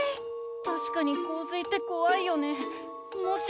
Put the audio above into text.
たしかにこう水ってこわいよね。